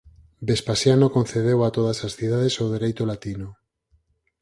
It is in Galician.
Vespasiano concedeu a todas as cidades o dereito latino.